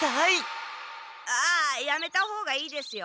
あやめたほうがいいですよ。